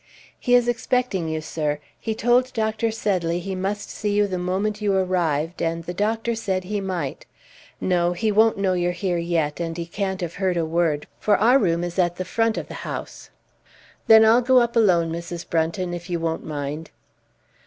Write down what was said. "He is expecting you, sir. He told Dr. Sedley he must see you the moment you arrived, and the doctor said he might. No, he won't know you're here yet, and he can't have heard a word, for our room is at t'front o' t'house." "Then I'll go up alone, Mrs. Brunton, if you won't mind."